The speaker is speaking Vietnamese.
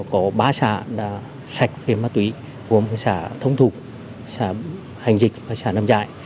có ba xã đã sạch về ma túy gồm xã thông thục xã hành dịch và xã năm trại